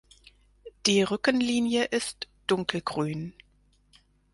Die Rückenlinie ist dunkelgrün.